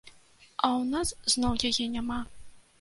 А ў нас зноў яе няма.